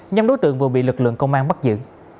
nhóm đối tượng vừa bị lực lượng công an bắt giữ